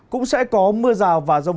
cũng sẽ có mưa rào và rông